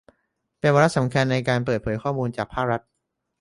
เป็นวาระสำคัญในการเปิดเผยข้อมูลจากภาครัฐ